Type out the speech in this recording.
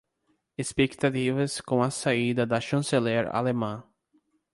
Expectativas com a saída da chanceler alemã